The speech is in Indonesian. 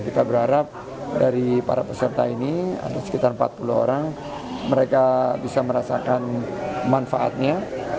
kita berharap dari para peserta ini ada sekitar empat puluh orang mereka bisa merasakan manfaatnya